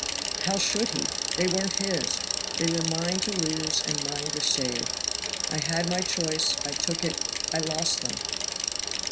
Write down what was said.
How should he? they weren't his, they were mine to lose and mine to save. I had my choice, I took it, I lost them.